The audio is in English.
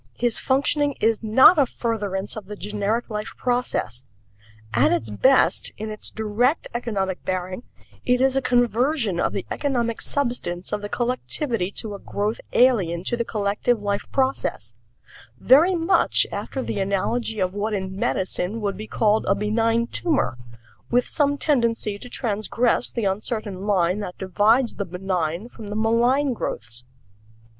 His functioning is not a furtherance of the generic life process. At its best, in its direct economic bearing, it is a conversion of the economic substance of the collectivity to a growth alien to the collective life process very much after the analogy of what in medicine would be called a benign tumor, with some tendency to transgress the uncertain line that divides the benign from the malign growths.